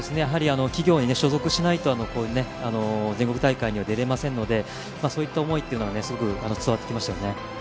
企業に所属しないと全国大会に出られませんのでそういった思いというのがすごく伝わってきましたよね。